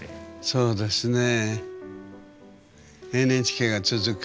そうですね。